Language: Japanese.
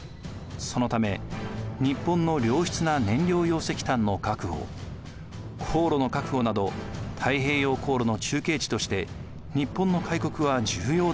そのため日本の良質な燃料用石炭の確保航路の確保など太平洋航路の中継地として日本の開国は重要だったのです。